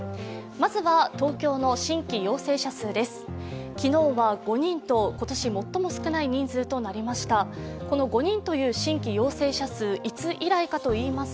まずは、東京の新規陽性者数です。